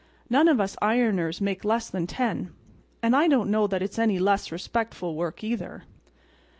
None of us ironers make less than $10. And I don't know that it's any less respectful work, either."